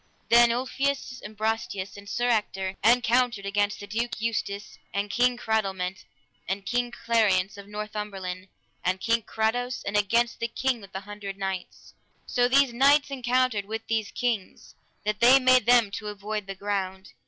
Then Ulfius, and Brastias, and Sir Ector encountered against the Duke Eustace, and King Cradelment, and King Clariance of Northumberland, and King Carados, and against the King with the Hundred Knights. So these knights encountered with these kings, that they made them to avoid the ground.